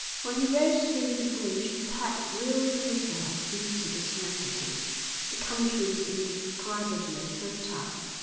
When he rode through the bush his head reeled a little at the beauty that surrounded him. The country was indescribably fertile.